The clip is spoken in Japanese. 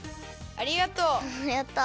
ありがとう。